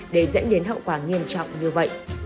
để dẫn đến hậu quả nghiêm trọng như vậy